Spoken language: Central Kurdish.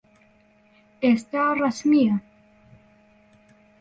ئێستا ڕەسمییە.